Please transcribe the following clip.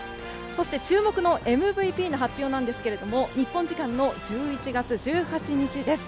そして注目のＭＶＰの発表ですが日本時間の１１月１８日です。